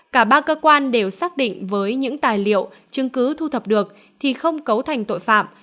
cả ba cơ quan đều xác định với những tài liệu chứng cứ thu thập được thì không cấu thành tội phạm